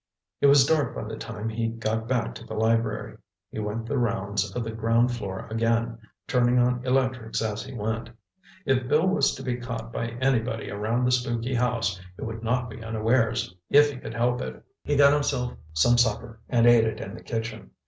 It was dark by the time he got back to the library. He went the rounds of the ground floor again, turning on electrics as he went. If Bill was to be caught by anybody around the spooky house, it would not be unawares, if he could help it. He got himself some supper and ate it in the kitchen.